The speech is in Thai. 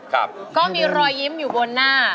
ก็มีรอยยิ้มอยู่บนหน้า